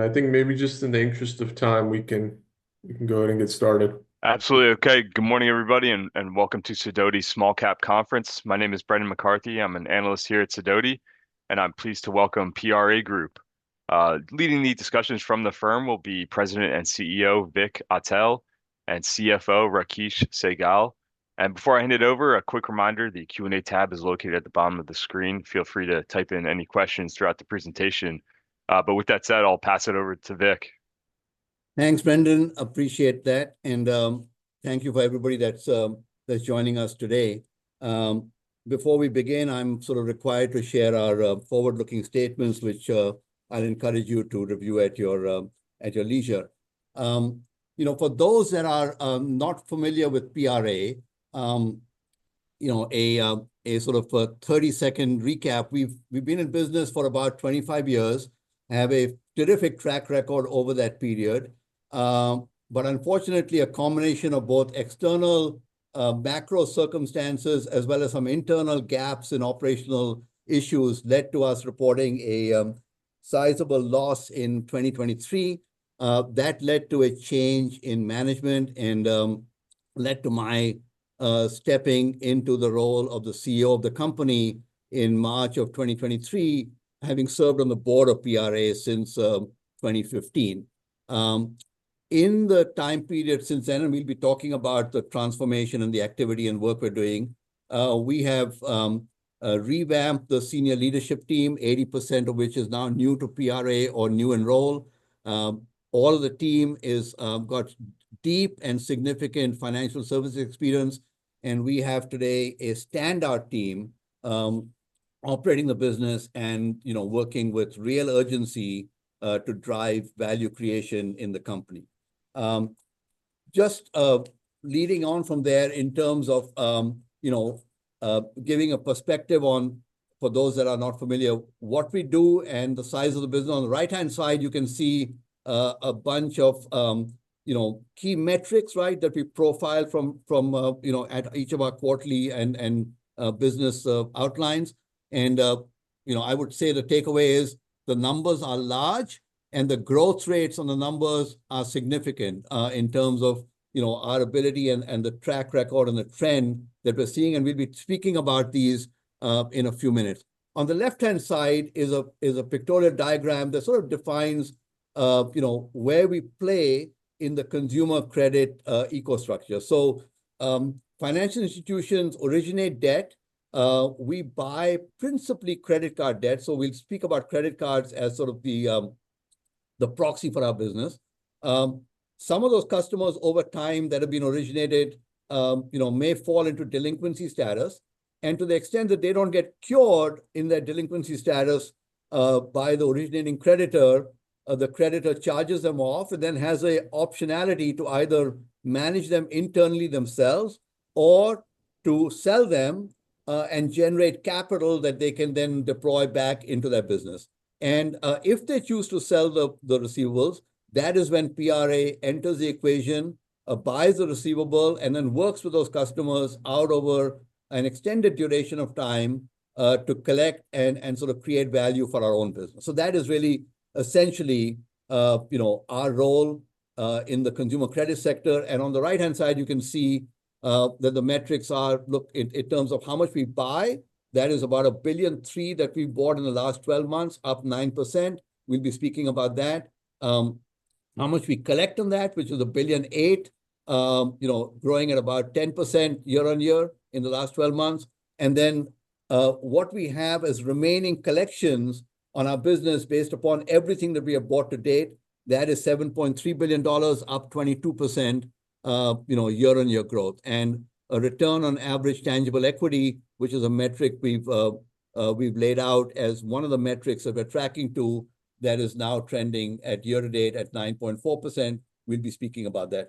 I think maybe just in the interest of time, we can go ahead and get started. Absolutely. Okay, good morning, everybody, and welcome to Sidoti Small Cap Conference. My name is Brendan McCarthy. I'm an analyst here at Sidoti, and I'm pleased to welcome PRA Group. Leading the discussions from the firm will be President and CEO Vik Atal and CFO Rakesh Sehgal. Before I hand it over, a quick reminder: the Q&A tab is located at the bottom of the screen. Feel free to type in any questions throughout the presentation. With that said, I'll pass it over to Vik. Thanks, Brendan. Appreciate that. And thank you for everybody that's joining us today. Before we begin, I'm sort of required to share our forward-looking statements, which I'd encourage you to review at your leisure. For those that are not familiar with PRA, a sort of 30-second recap: we've been in business for about 25 years, have a terrific track record over that period. But unfortunately, a combination of both external macro circumstances as well as some internal gaps in operational issues led to us reporting a sizable loss in 2023. That led to a change in management and led to my stepping into the role of the CEO of the company in March of 2023, having served on the board of PRA since 2015. In the time period since then, and we'll be talking about the transformation and the activity and work we're doing, we have revamped the senior leadership team, 80% of which is now new to PRA or new in role. All of the team has got deep and significant financial services experience, and we have today a standout team operating the business and working with real urgency to drive value creation in the company. Just leading on from there in terms of giving a perspective on, for those that are not familiar, what we do and the size of the business. On the right-hand side, you can see a bunch of key metrics that we profile from at each of our quarterly and business outlooks. And I would say the takeaway is the numbers are large, and the growth rates on the numbers are significant in terms of our ability and the track record and the trend that we're seeing. And we'll be speaking about these in a few minutes. On the left-hand side is a pictorial diagram that sort of defines where we play in the consumer credit ecosystem. So financial institutions originate debt. We buy principally credit card debt. So we'll speak about credit cards as sort of the proxy for our business. Some of those customers over time that have been originated may fall into delinquency status. To the extent that they don't get cured in their delinquency status by the originating creditor, the creditor charges them off and then has an optionality to either manage them internally themselves or to sell them and generate capital that they can then deploy back into their business. If they choose to sell the receivables, that is when PRA enters the equation, buys the receivable, and then works with those customers out over an extended duration of time to collect and sort of create value for our own business. That is really essentially our role in the consumer credit sector. On the right-hand side, you can see that the metrics are outlook in terms of how much we buy. That is about $1.3 billion that we bought in the last 12 months, up 9%. We'll be speaking about that. How much we collect on that, which is $1.8 billion, growing at about 10% year on year in the last 12 months. And then what we have as remaining collections on our business based upon everything that we have bought to date, that is $7.3 billion, up 22% year on year growth. And a return on average tangible equity, which is a metric we've laid out as one of the metrics that we're tracking to that is now trending at year to date at 9.4%. We'll be speaking about that.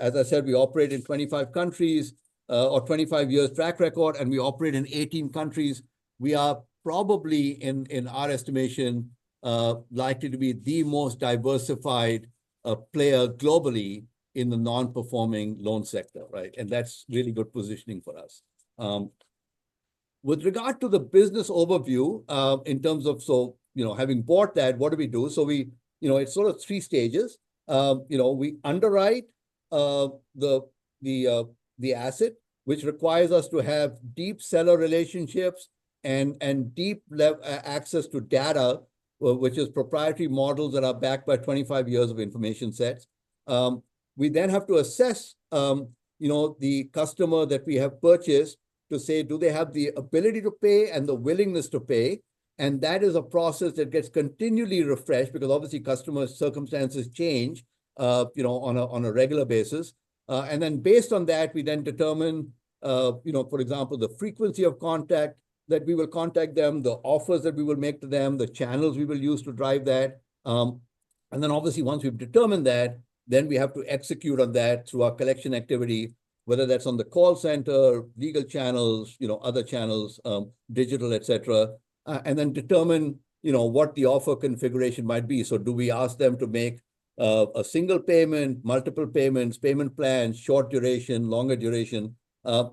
As I said, we operate in 25 countries or 25 years track record, and we operate in 18 countries. We are probably, in our estimation, likely to be the most diversified player globally in the non-performing loan sector. And that's really good positioning for us. With regard to the business overview, in terms of having bought that, what do we do? So it's sort of three stages. We underwrite the asset, which requires us to have deep seller relationships and deep access to data, which is proprietary models that are backed by 25 years of information sets. We then have to assess the customer that we have purchased to say, do they have the ability to pay and the willingness to pay? And that is a process that gets continually refreshed because obviously customer circumstances change on a regular basis. And then based on that, we then determine, for example, the frequency of contact that we will contact them, the offers that we will make to them, the channels we will use to drive that. And then obviously, once we've determined that, then we have to execute on that through our collection activity, whether that's on the call center, legal channels, other channels, digital, et cetera, and then determine what the offer configuration might be. So do we ask them to make a single payment, multiple payments, payment plans, short duration, longer duration?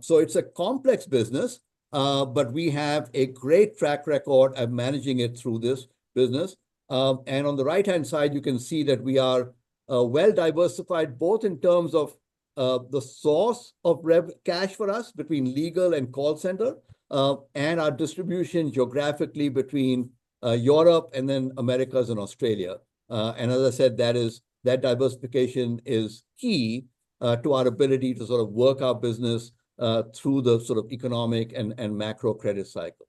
So it's a complex business, but we have a great track record of managing it through this business. And on the right-hand side, you can see that we are well diversified both in terms of the source of cash for us between legal and call center and our distribution geographically between Europe and then Americas and Australia. And as I said, that diversification is key to our ability to sort of work our business through the sort of economic and macro credit cycles.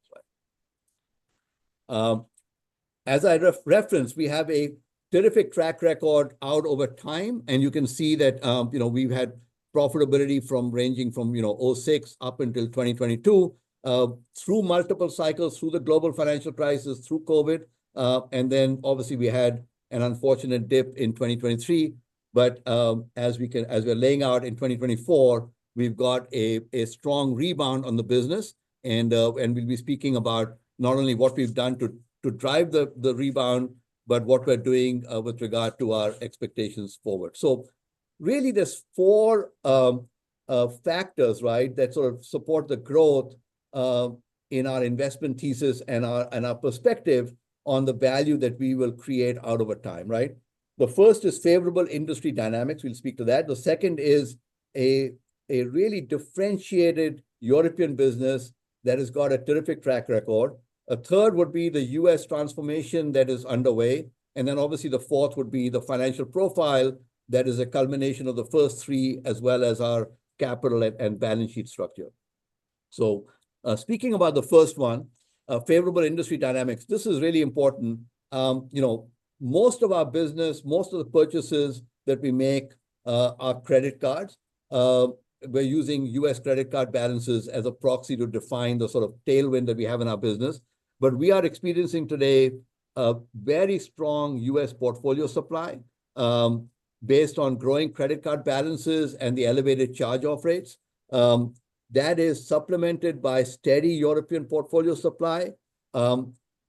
As I referenced, we have a terrific track record out over time, and you can see that we've had profitability ranging from 2006 up until 2022 through multiple cycles through the global financial crisis, through COVID, and then obviously, we had an unfortunate dip in 2023, but as we're laying out in 2024, we've got a strong rebound on the business, and we'll be speaking about not only what we've done to drive the rebound, but what we're doing with regard to our expectations forward, so really, there's four factors that sort of support the growth in our investment thesis and our perspective on the value that we will create out over time. The first is favorable industry dynamics. We'll speak to that. The second is a really differentiated European business that has got a terrific track record. A third would be the US transformation that is underway. And then obviously, the fourth would be the financial profile that is a culmination of the first three as well as our capital and balance sheet structure. So speaking about the first one, favorable industry dynamics, this is really important. Most of our business, most of the purchases that we make are credit cards. We're using U.S. credit card balances as a proxy to define the sort of tailwind that we have in our business. But we are experiencing today very strong U.S. portfolio supply based on growing credit card balances and the elevated charge-off rates. That is supplemented by steady European portfolio supply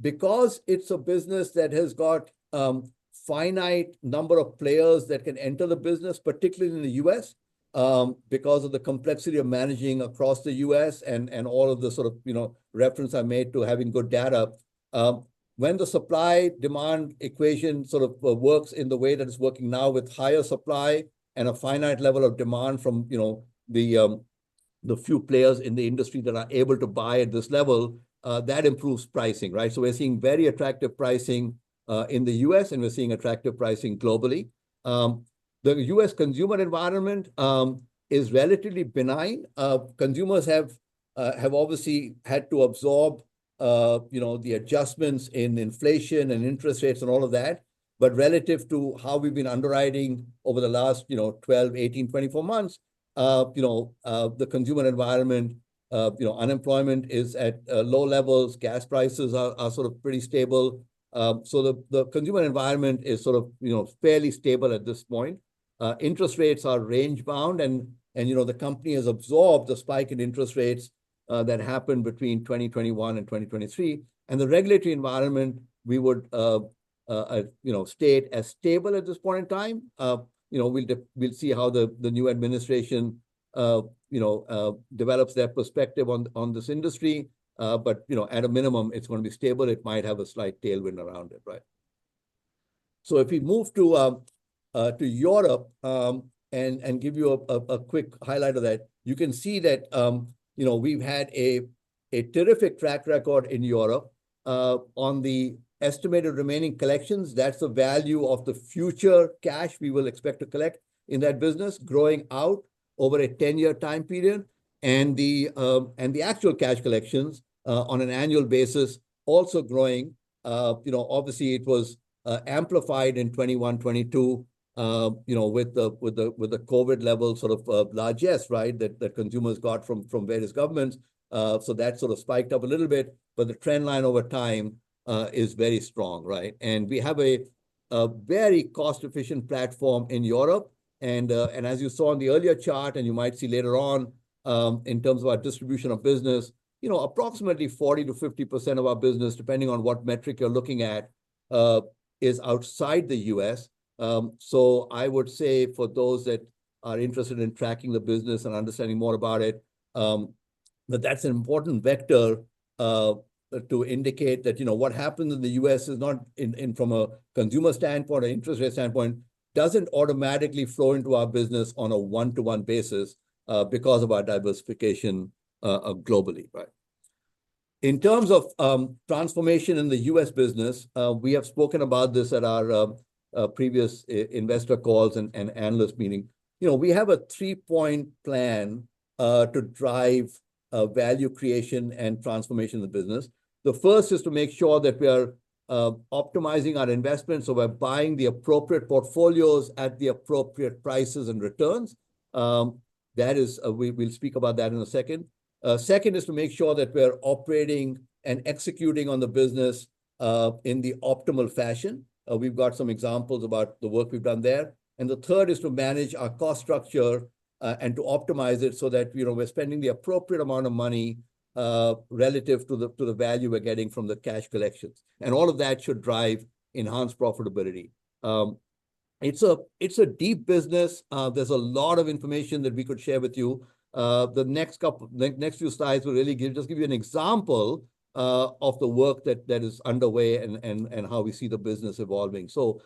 because it's a business that has got a finite number of players that can enter the business, particularly in the U.S., because of the complexity of managing across the U.S. and all of the sort of reference I made to having good data. When the supply-demand equation sort of works in the way that it's working now with higher supply and a finite level of demand from the few players in the industry that are able to buy at this level, that improves pricing, so we're seeing very attractive pricing in the U.S., and we're seeing attractive pricing globally. The U.S. consumer environment is relatively benign. Consumers have obviously had to absorb the adjustments in inflation and interest rates and all of that, but relative to how we've been underwriting over the last 12, 18, 24 months, the consumer environment. Unemployment is at low levels, gas prices are sort of pretty stable, so the consumer environment is sort of fairly stable at this point. Interest rates are range-bound, and the company has absorbed the spike in interest rates that happened between 2021 and 2023. The regulatory environment, we would state as stable at this point in time. We'll see how the new administration develops their perspective on this industry. At a minimum, it's going to be stable. It might have a slight tailwind around it. If we move to Europe and give you a quick highlight of that, you can see that we've had a terrific track record in Europe. On the estimated remaining collections, that's the value of the future cash we will expect to collect in that business growing out over a 10-year time period. The actual cash collections on an annual basis also growing. Obviously, it was amplified in 2021, 2022 with the COVID level sort of blood checks that consumers got from various governments. That sort of spiked up a little bit. The trend line over time is very strong. We have a very cost-efficient platform in Europe. As you saw in the earlier chart, and you might see later on in terms of our distribution of business, approximately 40%-50% of our business, depending on what metric you're looking at, is outside the U.S. I would say for those that are interested in tracking the business and understanding more about it, that that's an important vector to indicate that what happens in the U.S. is not, from a consumer standpoint, an interest rate standpoint, doesn't automatically flow into our business on a one-to-one basis because of our diversification globally. In terms of transformation in the U.S. business, we have spoken about this at our previous investor calls and analyst meeting. We have a three-point plan to drive value creation and transformation of the business. The first is to make sure that we are optimizing our investments, so we're buying the appropriate portfolios at the appropriate prices and returns. We'll speak about that in a second. Second is to make sure that we're operating and executing on the business in the optimal fashion. We've got some examples about the work we've done there, and the third is to manage our cost structure and to optimize it so that we're spending the appropriate amount of money relative to the value we're getting from the cash collections, and all of that should drive enhanced profitability. It's a deep business. There's a lot of information that we could share with you. The next few slides will really just give you an example of the work that is underway and how we see the business evolving, so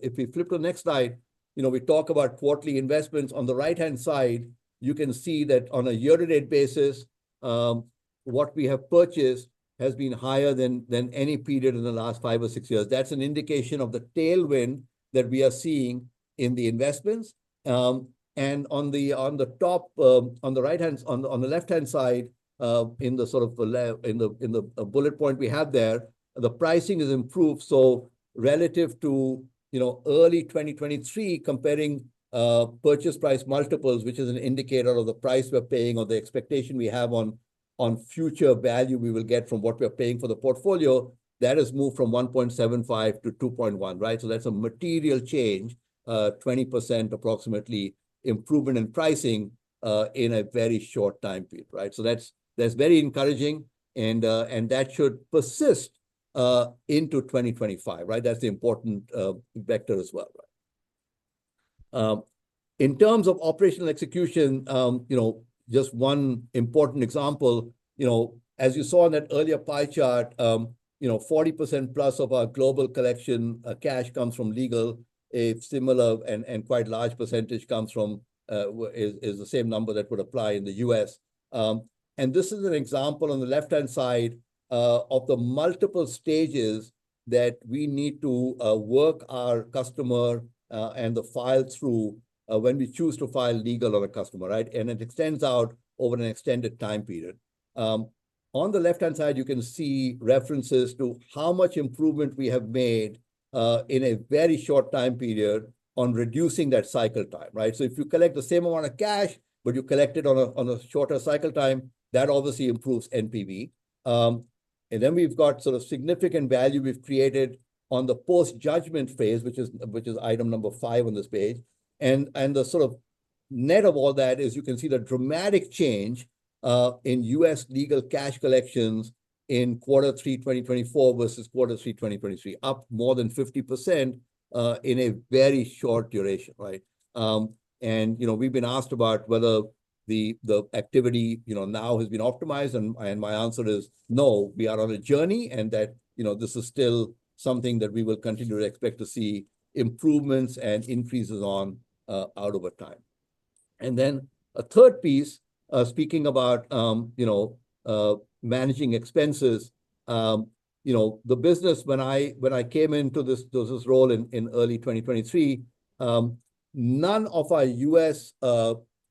if we flip to the next slide, we talk about quarterly investments. On the right-hand side, you can see that on a year-to-date basis, what we have purchased has been higher than any period in the last five or six years. That's an indication of the tailwind that we are seeing in the investments. And on the top, on the right-hand, on the left-hand side, in the sort of bullet point we have there, the pricing has improved. So relative to early 2023, comparing purchase price multiples, which is an indicator of the price we're paying or the expectation we have on future value we will get from what we're paying for the portfolio, that has moved from 1.75 to 2.1. So that's a material change, 20% approximately improvement in pricing in a very short time period. So that's very encouraging, and that should persist into 2025. That's the important vector as well. In terms of operational execution, just one important example. As you saw in that earlier pie chart, 40% plus of our global collection cash comes from legal. A similar and quite large percentage comes from. It's the same number that would apply in the U.S. And this is an example on the left-hand side of the multiple stages that we need to work our customer and the file through when we choose to file legal on a customer. And it extends out over an extended time period. On the left-hand side, you can see references to how much improvement we have made in a very short time period on reducing that cycle time. So if you collect the same amount of cash, but you collect it on a shorter cycle time, that obviously improves NPV. And then we've got sort of significant value we've created on the post-judgment phase, which is item number five on this page. The sort of net of all that is you can see the dramatic change in U.S. legal cash collections in quarter three 2024 versus quarter three 2023, up more than 50% in a very short duration. We've been asked about whether the activity now has been optimized, and my answer is no, we are on a journey and that this is still something that we will continue to expect to see improvements and increases on out over time, and then a third piece, speaking about managing expenses, the business, when I came into this role in early 2023, none of our U.S.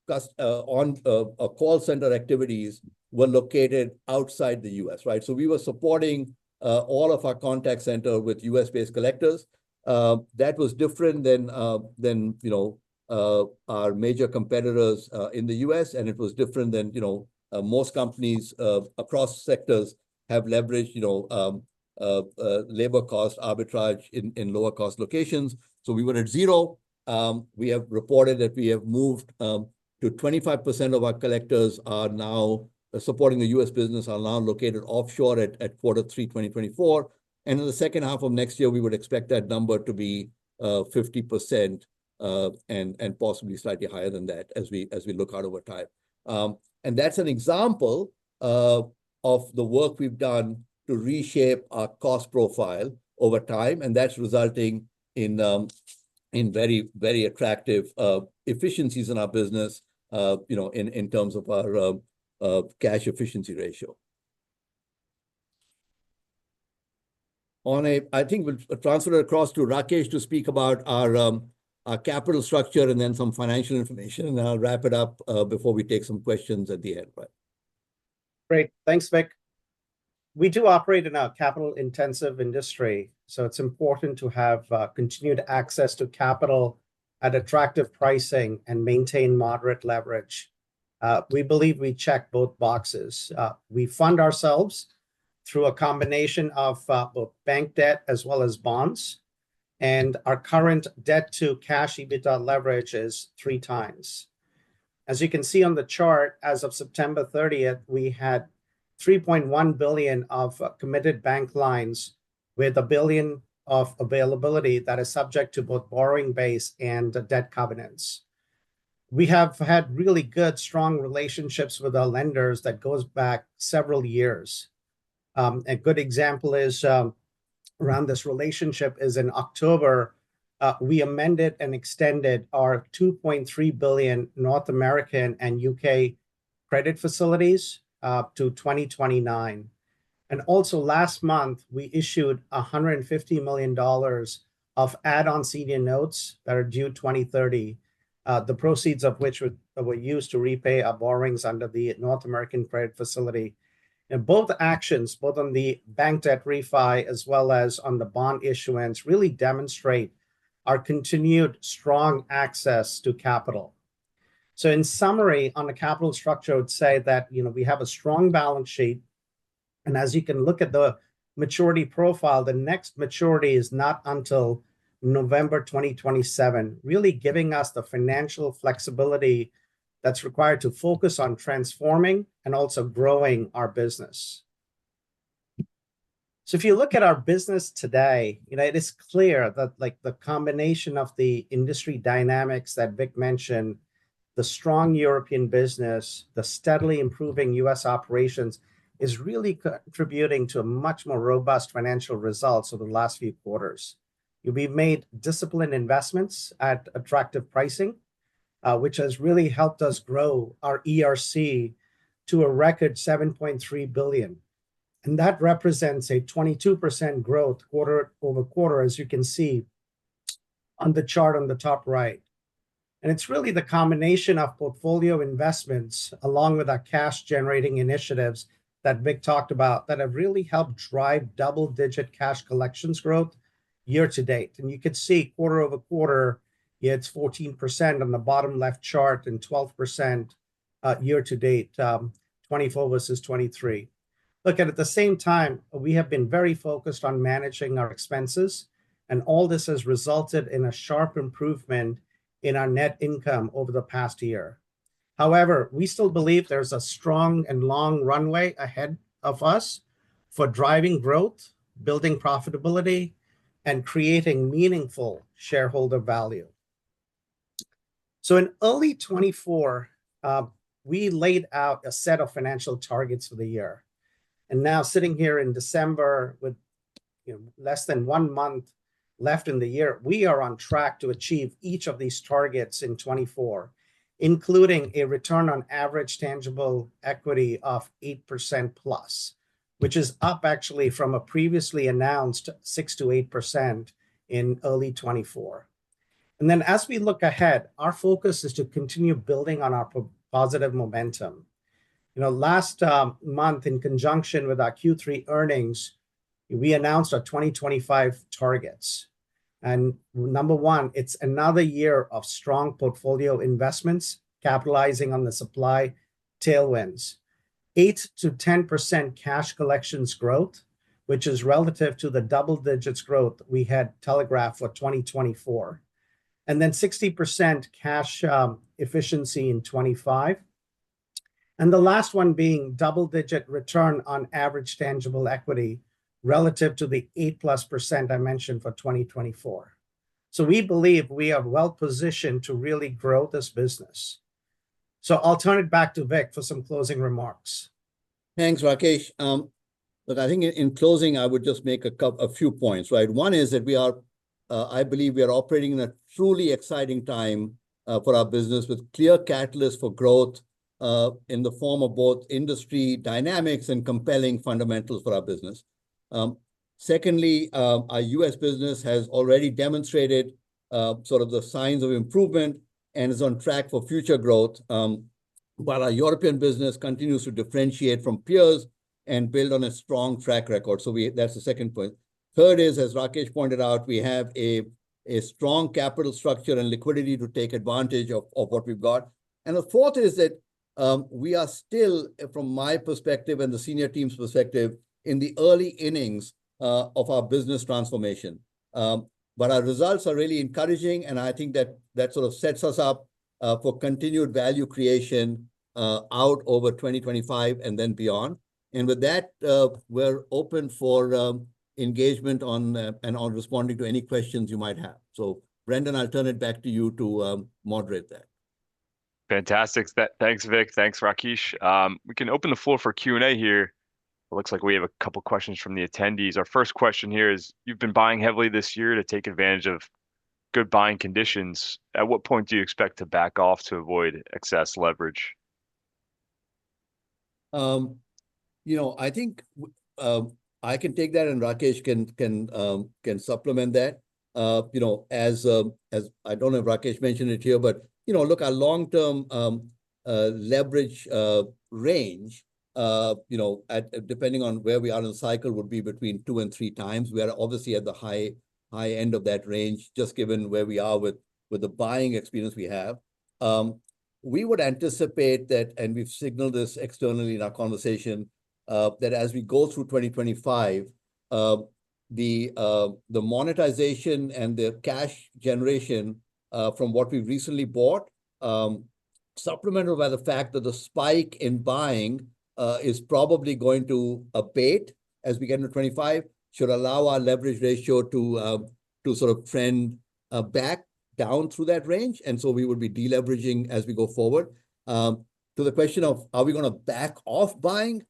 call center activities were located outside the U.S., so we were supporting all of our contact center with U.S.-based collectors. That was different than our major competitors in the U.S. It was different than most companies across sectors have leveraged labor cost arbitrage in lower-cost locations. So we were at zero. We have reported that we have moved to 25% of our collectors are now supporting the U.S. business are now located offshore at quarter three 2024. And in the second half of next year, we would expect that number to be 50% and possibly slightly higher than that as we look out over time. And that's an example of the work we've done to reshape our cost profile over time. And that's resulting in very attractive efficiencies in our business in terms of our cash efficiency ratio. I think we'll transfer it across to Rakesh to speak about our capital structure and then some financial information. And I'll wrap it up before we take some questions at the end. Great. Thanks, Vik. We do operate in a capital-intensive industry. So it's important to have continued access to capital at attractive pricing and maintain moderate leverage. We believe we check both boxes. We fund ourselves through a combination of both bank debt as well as bonds. And our current debt-to-cash EBITDA leverage is three times. As you can see on the chart, as of September 30th, we had $3.1 billion of committed bank lines with $1 billion of availability that is subject to both borrowing base and debt covenants. We have had really good, strong relationships with our lenders that goes back several years. A good example around this relationship is in October, we amended and extended our $2.3 billion North American and U.K. credit facilities to 2029. And also last month, we issued $150 million of add-on senior notes that are due 2030, the proceeds of which were used to repay our borrowings under the North American credit facility. And both actions, both on the bank debt refi as well as on the bond issuance, really demonstrate our continued strong access to capital. So in summary, on the capital structure, I would say that we have a strong balance sheet. And as you can look at the maturity profile, the next maturity is not until November 2027, really giving us the financial flexibility that's required to focus on transforming and also growing our business. If you look at our business today, it is clear that the combination of the industry dynamics that Vik mentioned, the strong European business, the steadily improving U.S. operations is really contributing to much more robust financial results over the last few quarters. We've made disciplined investments at attractive pricing, which has really helped us grow our ERC to a record $7.3 billion. That represents a 22% growth quarter over quarter, as you can see on the chart on the top right. It's really the combination of portfolio investments along with our cash-generating initiatives that Vik talked about that have really helped drive double-digit cash collections growth year to date. You could see quarter over quarter, it's 14% on the bottom left chart and 12% year to date, 2024 versus 2023. Look, at the same time, we have been very focused on managing our expenses. All this has resulted in a sharp improvement in our net income over the past year. However, we still believe there's a strong and long runway ahead of us for driving growth, building profitability, and creating meaningful shareholder value. So in early 2024, we laid out a set of financial targets for the year. And now sitting here in December, with less than one month left in the year, we are on track to achieve each of these targets in 2024, including a Return on Average Tangible Equity of 8% plus, which is up actually from a previously announced 6%-8% in early 2024. And then as we look ahead, our focus is to continue building on our positive momentum. Last month, in conjunction with our Q3 earnings, we announced our 2025 targets. And number one, it's another year of strong portfolio investments capitalizing on the supply tailwinds. 8%-10% cash collections growth, which is relative to the double-digit growth we had telegraphed for 2024. And then 60% cash efficiency in 2025. And the last one being double-digit return on average tangible equity relative to the 8+% I mentioned for 2024. So we believe we are well positioned to really grow this business. So I'll turn it back to Vik for some closing remarks. Thanks, Rakesh. Look, I think in closing, I would just make a few points. One is that I believe we are operating in a truly exciting time for our business with clear catalysts for growth in the form of both industry dynamics and compelling fundamentals for our business. Secondly, our US business has already demonstrated sort of the signs of improvement and is on track for future growth, while our European business continues to differentiate from peers and build on a strong track record. So that's the second point. Third is, as Rakesh pointed out, we have a strong capital structure and liquidity to take advantage of what we've got. And the fourth is that we are still, from my perspective and the senior team's perspective, in the early innings of our business transformation, but our results are really encouraging. And I think that sort of sets us up for continued value creation out over 2025 and then beyond. And with that, we're open for engagement and responding to any questions you might have. So Brendan, I'll turn it back to you to moderate that. Fantastic. Thanks, Vik. Thanks, Rakesh. We can open the floor for Q&A here. It looks like we have a couple of questions from the attendees. Our first question here is, you've been buying heavily this year to take advantage of good buying conditions. At what point do you expect to back off to avoid excess leverage? I think I can take that, and Rakesh can supplement that. As I don't know if Rakesh mentioned it here, but look, our long-term leverage range, depending on where we are in the cycle, would be between two and three times. We are obviously at the high end of that range, just given where we are with the buying experience we have. We would anticipate that, and we've signaled this externally in our conversation, that as we go through 2025, the monetization and the cash generation from what we've recently bought, supplemented by the fact that the spike in buying is probably going to abate as we get into 2025, should allow our leverage ratio to sort of trend back down through that range. And so we would be deleveraging as we go forward. To the question of, are we going to back off buying?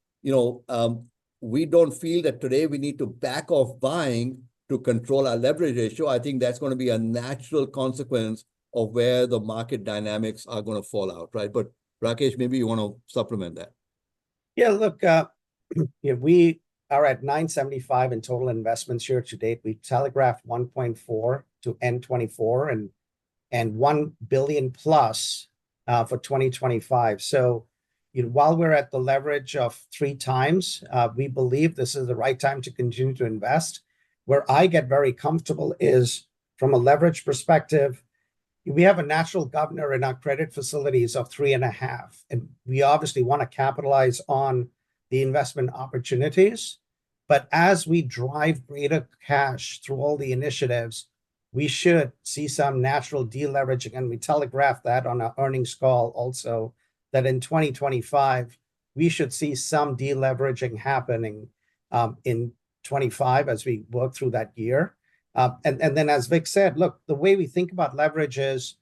We don't feel that today we need to back off buying to control our leverage ratio. I think that's going to be a natural consequence of where the market dynamics are going to fall out. But Rakesh, maybe you want to supplement that. Yeah, look, we are at $975 million in total investments here to date. We telegraphed $1.4 billion to end 2024 and $1 billion plus for 2025. So while we're at the leverage of three times, we believe this is the right time to continue to invest. Where I get very comfortable is from a leverage perspective, we have a natural governor in our credit facilities of three and a half. And we obviously want to capitalize on the investment opportunities. But as we drive greater cash through all the initiatives, we should see some natural deleveraging. And we telegraphed that on our earnings call also that in 2025, we should see some deleveraging happening in 2025 as we work through that year. And then, as Vik said, look, the way we think about leverage is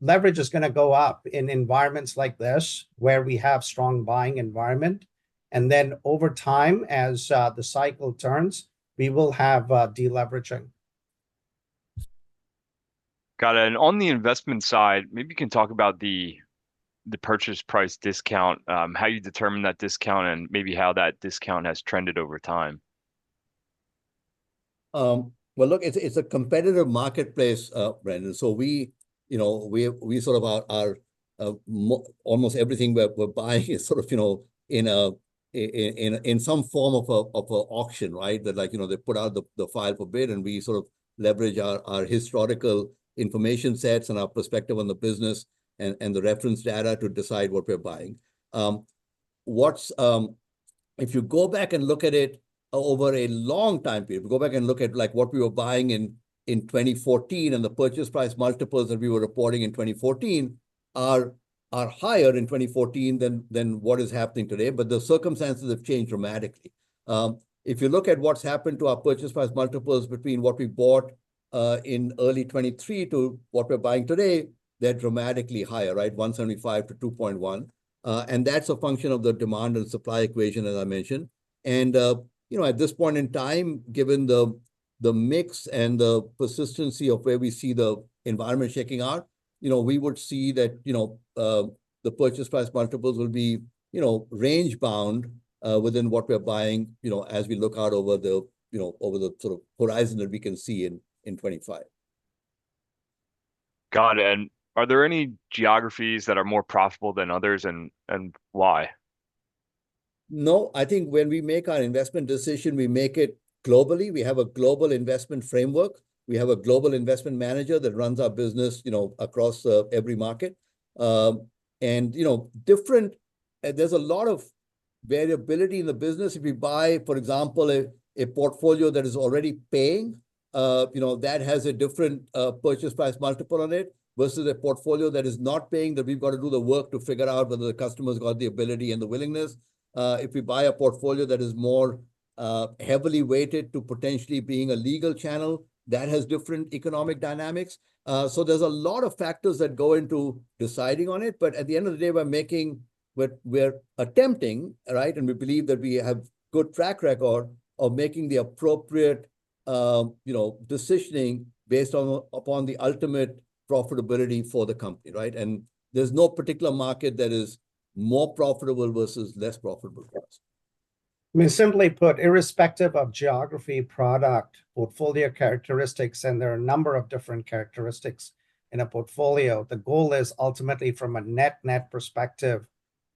leverage is going to go up in environments like this where we have strong buying environment. Then over time, as the cycle turns, we will have deleveraging. Got it. And on the investment side, maybe you can talk about the purchase price discount, how you determine that discount, and maybe how that discount has trended over time. Look, it's a competitive marketplace, Brendan. So almost everything we're buying is sort of in some form of an auction, right? They put out the file for bid, and we sort of leverage our historical information sets and our perspective on the business and the reference data to decide what we're buying. If you go back and look at it over a long time period, if you go back and look at what we were buying in 2014 and the purchase price multiples that we were reporting in 2014 are higher in 2014 than what is happening today. But the circumstances have changed dramatically. If you look at what's happened to our purchase price multiples between what we bought in early 2023 to what we're buying today, they're dramatically higher, right? 1.75-2.1. That's a function of the demand and supply equation, as I mentioned. At this point in time, given the mix and the persistency of where we see the environment shaking out, we would see that the purchase price multiples will be range-bound within what we're buying as we look out over the sort of horizon that we can see in 2025. Got it. And are there any geographies that are more profitable than others, and why? No, I think when we make our investment decision, we make it globally. We have a global investment framework. We have a global investment manager that runs our business across every market. And there's a lot of variability in the business. If you buy, for example, a portfolio that is already paying, that has a different purchase price multiple on it versus a portfolio that is not paying that we've got to do the work to figure out whether the customer's got the ability and the willingness. If we buy a portfolio that is more heavily weighted to potentially being a legal channel, that has different economic dynamics. So there's a lot of factors that go into deciding on it. But at the end of the day, we're attempting, and we believe that we have a good track record of making the appropriate decisioning based upon the ultimate profitability for the company. And there's no particular market that is more profitable versus less profitable for us. I mean, simply put, irrespective of geography, product, portfolio characteristics, and there are a number of different characteristics in a portfolio, the goal is ultimately from a net-net perspective,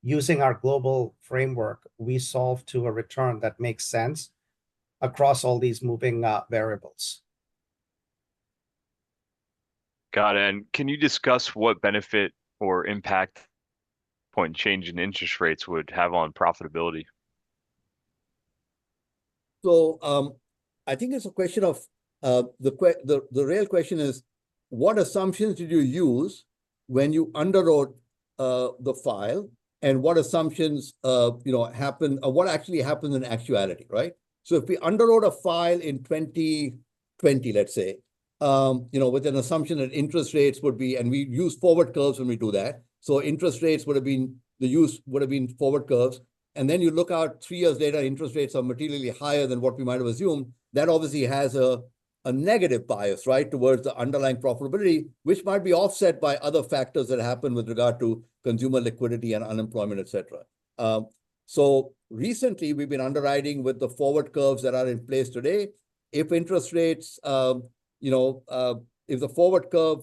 using our global framework, we solve to a return that makes sense across all these moving variables. Got it. Can you discuss what benefit or impact point change in interest rates would have on profitability? So I think it's a question of the real question is, what assumptions did you use when you underwrote the file? And what assumptions happened or what actually happens in actuality, right? So if we underwrote a file in 2020, let's say, with an assumption that interest rates would be and we use forward curves when we do that. So interest rates would have been the use would have been forward curves. And then you look out three years later, interest rates are materially higher than what we might have assumed. That obviously has a negative bias, right, towards the underlying profitability, which might be offset by other factors that happen with regard to consumer liquidity and unemployment, et cetera. So recently, we've been underwriting with the forward curves that are in place today. If interest rates, if the forward curve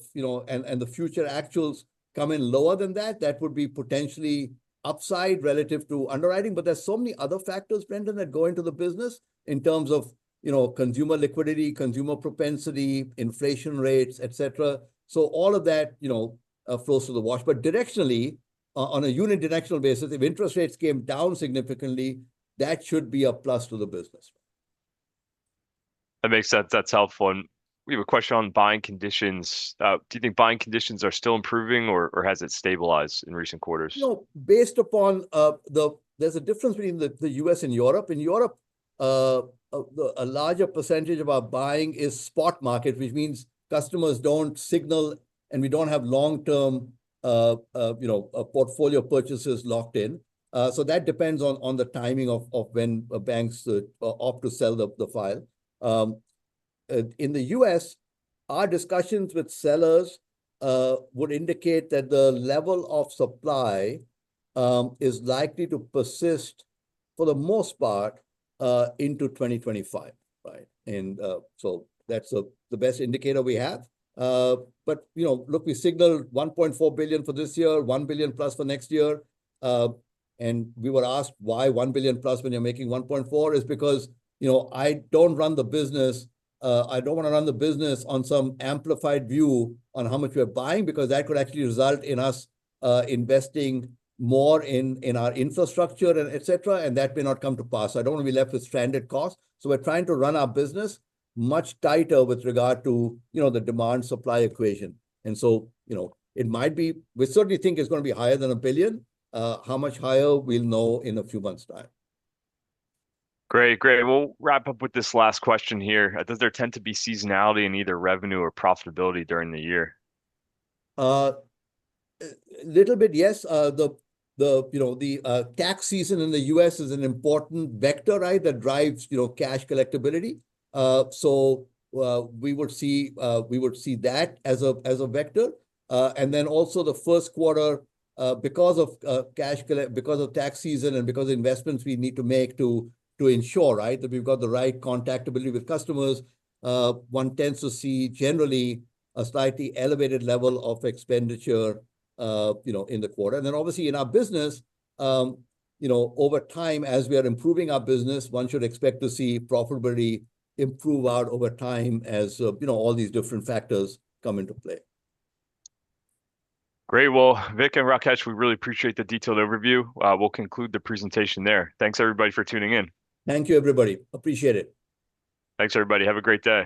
and the future actuals come in lower than that, that would be potentially upside relative to underwriting. But there's so many other factors, Brendan, that go into the business in terms of consumer liquidity, consumer propensity, inflation rates, et cetera. So all of that flows through the wash. But directionally, on a unidirectional basis, if interest rates came down significantly, that should be a plus to the business. That makes sense. That's helpful. And we have a question on buying conditions. Do you think buying conditions are still improving, or has it stabilized in recent quarters? Based upon that, there's a difference between the U.S. and Europe. In Europe, a larger percentage of our buying is spot market, which means customers don't signal, and we don't have long-term portfolio purchases locked in. That depends on the timing of when banks opt to sell the file. In the U.S., our discussions with sellers would indicate that the level of supply is likely to persist for the most part into 2025. That's the best indicator we have. Look, we signaled $1.4 billion for this year, $1 billion plus for next year. We were asked why $1 billion plus when you're making $1.4 [billion]. That's because I don't run the business. I don't want to run the business on some amplified view on how much we're buying because that could actually result in us investing more in our infrastructure, et cetera, and that may not come to pass. So I don't want to be left with stranded costs. So we're trying to run our business much tighter with regard to the demand-supply equation. And so it might be we certainly think it's going to be higher than a billion. How much higher, we'll know in a few months' time. Great. Great. We'll wrap up with this last question here. Does there tend to be seasonality in either revenue or profitability during the year? A little bit, yes. The tax season in the U.S. is an important vector, right, that drives cash collectibility. So we would see that as a vector. And then also the Q1, because of tax season and because of investments we need to make to ensure that we've got the right contactability with customers, one tends to see generally a slightly elevated level of expenditure in the quarter. And then obviously in our business, over time, as we are improving our business, one should expect to see profitability improve over time as all these different factors come into play. Great. Well, Vik and Rakesh, we really appreciate the detailed overview. We'll conclude the presentation there. Thanks, everybody, for tuning in. Thank you, everybody. Appreciate it. Thanks, everybody. Have a great day.